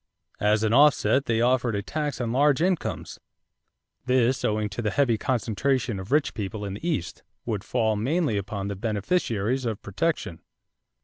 As an offset they offered a tax on large incomes; this owing to the heavy concentration of rich people in the East, would fall mainly upon the beneficiaries of protection.